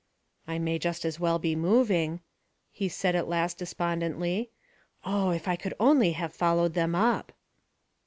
"I may just as well be moving," he said at last despondently. "Oh, if I could only have followed them up!"